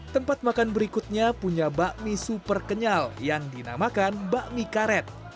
tempat makan berikutnya punya bakmi super kenyal yang dinamakan bakmi karet